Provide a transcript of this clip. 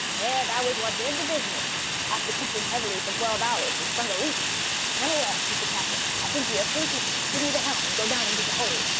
"Eh, it was that that did the business; after pitching heavily for twelve hours we sprung a leak. 'Penelon,' said the captain, 'I think we are sinking, give me the helm, and go down into the hold.